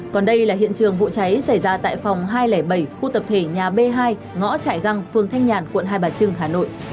còn đây là hiện trường vụ cháy xảy ra tại phòng hai trăm linh bảy khu tập thể nhà b hai ngõ trại găng phường thanh nhàn quận hai bà trưng hà nội